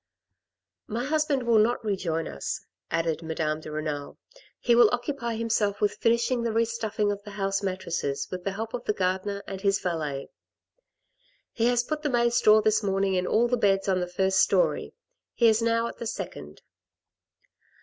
" My husband will not rejoin us," added Madame de Renal ; "he will occupy himself with finishing the re stuffing of the house mattresses with the help of the gardener and his valet. He has put the May straw this morning in all the beds on the first storey ; he is now at the second."